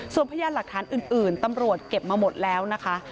ส่วนพยานหลักฐานอื่นตำรวจเก็บมาหมดแล้วนะคะ